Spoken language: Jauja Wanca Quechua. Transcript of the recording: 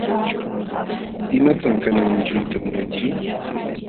¿Imataq kanan mikuyta munanki?